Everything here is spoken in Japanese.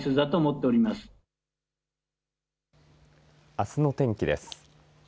あすの天気です。